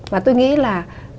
và tôi nghĩ là